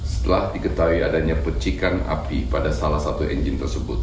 setelah diketahui adanya pecikan api pada salah satu engine tersebut